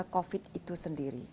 covid itu sendiri